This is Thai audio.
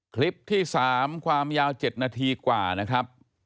คลิปที่๓ความยาว๗นาทีกว่านะครับ